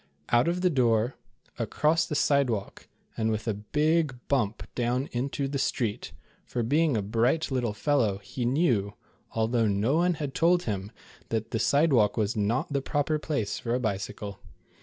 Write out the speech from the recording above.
Out of the door, across the sidewalk and with a big blimp down into the street, for being a bright little fellow, he knew, although no one had told him, that the sidewalk was not the proper place for a bicycle.